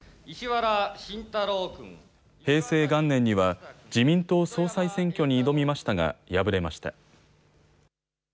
平成元年には自民党総裁選挙に挑みましたが敗れました。